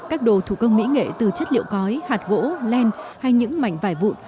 các đồ thủ công mỹ nghệ từ chất liệu cói hạt gỗ len hay những mảnh vải vụn